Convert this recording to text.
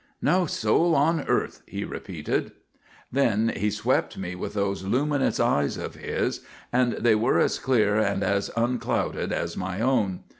"No soul on earth," he repeated. Then he swept me with those luminous eyes of his, and they were as clear and as unclouded as my own.